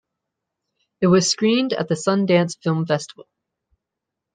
It was screened at the Sundance Film Festival.